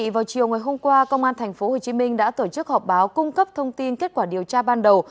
vào chiều ngày hôm qua công an thành phố hồ chí minh đã tổ chức họp báo cung cấp thông tin kết quả điều tra ban đầu